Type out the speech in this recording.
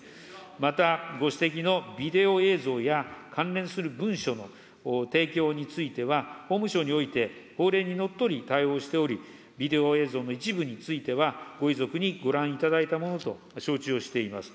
また、ご指摘のビデオ映像や、関連する文書の提供については、法務省において、法令にのっとり対応しており、ビデオ映像の一部については、ご遺族にご覧いただいたものと承知をしております。